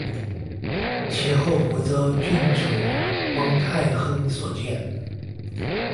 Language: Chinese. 其后湖州郡丞汪泰亨所建。